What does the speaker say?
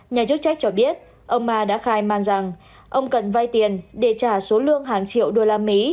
nhà chức trách cho biết ông ma đã khai man rằng ông cần vay tiền để trả số lương hàng triệu đô la mỹ